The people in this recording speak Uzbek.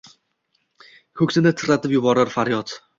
Ko’ksini titratib yuborar faryod.